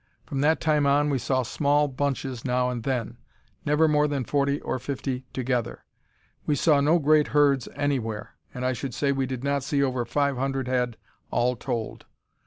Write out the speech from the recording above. From that time on we saw small bunches now and then; never more than forty or fifty together. We saw no great herds anywhere, and I should say we did not see over five hundred head all told.